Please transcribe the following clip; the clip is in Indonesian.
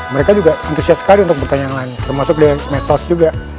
mereka juga antusias sekali untuk pertanyaan lain termasuk dari medsos juga